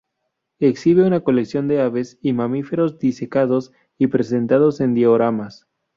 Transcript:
Exhibe una colección de aves y mamíferos disecados y presentados en dioramas.